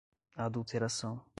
adulteração